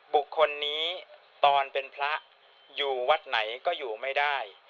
บุคคลนี้ตอนเป็นพระอยู่วัดไหนก็อยู่ไม่ได้